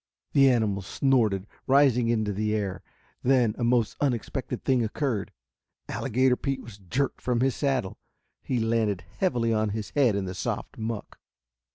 The animal snorted, rising into the air. Then a most unexpected thing occurred. Alligator Pete was jerked from his saddle. He landed heavily on his head in the soft muck.